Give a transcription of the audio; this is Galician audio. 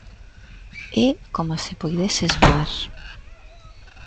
É coma se puideses voar.